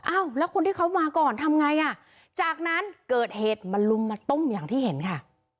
อ้าวแล้วคนที่เขามาก่อนทำไงอ่ะจากนั้นเกิดเหตุมาลุมมาตุ้มอย่างที่เห็นค่ะ